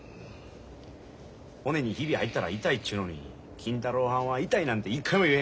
骨にひび入ったら痛いっちゅうのに金太郎はんは痛いなんて一回も言えへんかった。